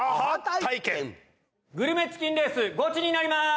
グルメチキンレースゴチになります！